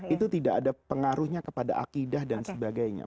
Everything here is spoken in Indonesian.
itu tidak ada pengaruhnya kepada akidah dan sebagainya